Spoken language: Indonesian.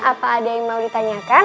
apa ada yang mau ditanyakan